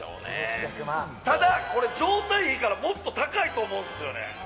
ただ、状態いいからもっと高いと思うんすよね。